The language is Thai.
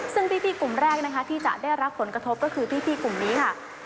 ซึ่งพี่กลุ่มแรกนะคะที่จะได้รับผลกระทบก็คือพี่กลุ่มนี้ค่ะ